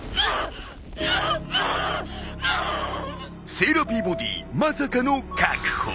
セイラピーボディまさかの確保。